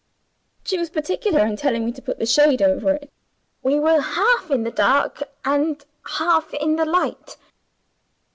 She was particular in telling me to put the shade over it. We were half in the dark, and half in the light.